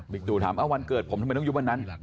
บิ๊กซูถามวันเกิดทำไมต้องยึบวันนั้น